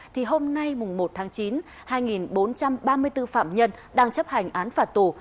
thì hôm nay một tháng chín hai bốn trăm ba mươi bốn phạm nhân đang chấp hành án phạt tù